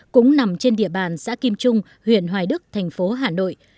cũng nằm trên địa bàn xã kim trung huyện hoài đức thành phố hà nội